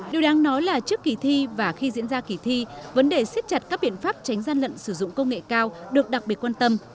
điều đáng nói là trước kỳ thi và khi diễn ra kỳ thi vấn đề siết chặt các biện pháp tránh gian lận sử dụng công nghệ cao được đặc biệt quan tâm